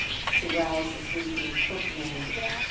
to rouse the sleeping cook maid.